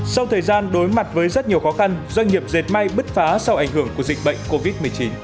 sau thời gian đối mặt với rất nhiều khó khăn doanh nghiệp dệt may bứt phá sau ảnh hưởng của dịch bệnh covid một mươi chín